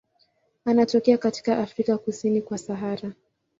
Anatokea katika Afrika kusini kwa Sahara.